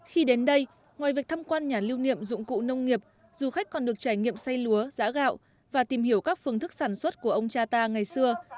khi đến đây ngoài việc thăm quan nhà lưu niệm dụng cụ nông nghiệp du khách còn được trải nghiệm say lúa giã gạo và tìm hiểu các phương thức sản xuất của ông cha ta ngày xưa